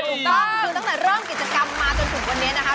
ถูกต้องคือตั้งแต่เริ่มกิจกรรมมาจนถึงวันนี้นะคะ